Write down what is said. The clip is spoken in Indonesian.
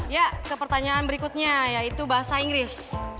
ya kepertanyaan berikutnya yaitu bahasa inggris